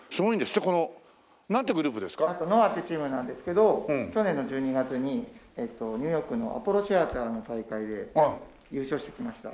ＮＯＡＨっていうチームなんですけど去年の１２月にニューヨークのアポロシアターの大会で優勝してきました。